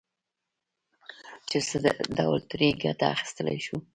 چې څه ډول ترې ګټه اخيستلای شو.